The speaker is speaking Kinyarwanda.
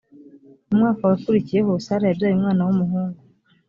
mu mwaka wakurikiyeho sara yabyaye umwana w umuhungu